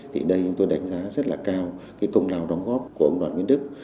thì đây chúng tôi đánh giá rất là cao cái công đào đóng góp của ông đoàn nguyễn đức